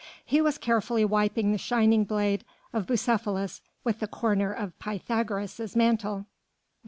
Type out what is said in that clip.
He was carefully wiping the shining blade of Bucephalus with the corner of Pythagoras' mantle.